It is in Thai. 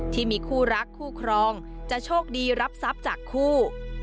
ที่มีคู่รักคู่ครองจะโชคดีรับทรัพย์จากคู่